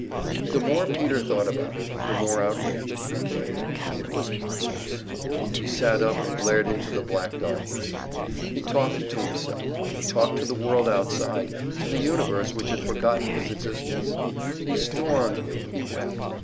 The more Peter thought about it, the more outraged he became. It was monstrous! He sat up and glared into the black darkness. He talked to himself, he talked to the world outside, to the universe which had forgotten his existence. He stormed, he wept.